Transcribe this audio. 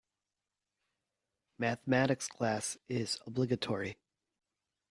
Mathematics class is obligatory.